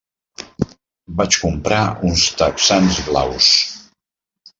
Vaig comprar uns texans blaus.